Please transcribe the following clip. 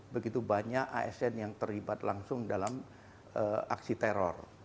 begitu banyak asn yang terlibat langsung dalam aksi teror